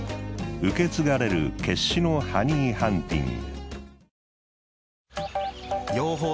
受け継がれる決死のハニーハンティング。